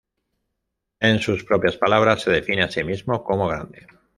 En sus propias palabras se define a sí mismo como grande.